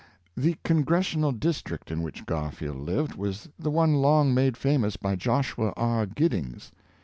The Congressional district in which Garfield lived was the one long made famous by Joshua R. Giddings.